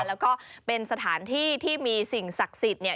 แล้วก็เป็นสถานที่ที่มีสิ่งศักดิ์สิทธิ์เนี่ย